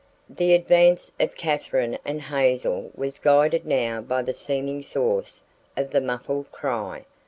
The advance of Katherine and Hazel was guided now by the seeming source of the muffled cry.